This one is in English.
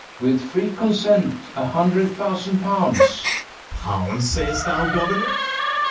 FERNEZE. With free consent, a hundred thousand pounds. BARABAS. Pounds say'st thou, governor?